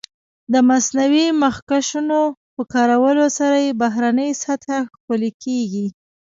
د مصنوعي مخکشونو په کارولو سره یې بهرنۍ سطح ښکلې کېږي.